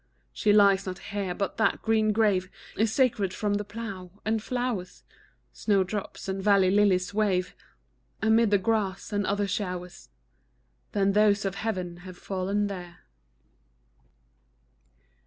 She lies not here, but that green grave Is sacred from the plough and flowers, Snow drops, and valley lilies, wave Amid the grass; and other showers Than those of heaven have fallen there.